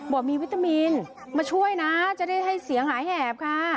บอกมีวิตามินมาช่วยนะจะได้ให้เสียงหายแหบค่ะ